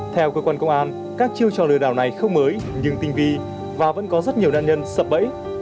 theo cơ quan công an các chiêu trò lừa đảo này không mới nhưng tinh vi và vẫn có rất nhiều nạn nhân sập bẫy